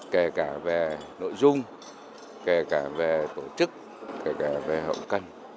kể cả về nội dung kể cả về tổ chức kể cả về hậu cần